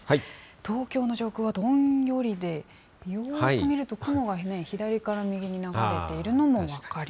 東京の上空はどんよりで、よーく見ると雲が左から右に流れているのも分かります。